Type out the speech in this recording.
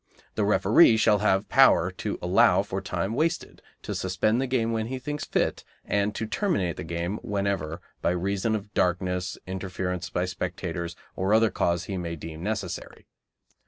The referee shall have power to allow for time wasted, to suspend the game when he thinks fit, and to terminate the game whenever by reason of darkness, interference by spectators, or other cause he may deem necessary.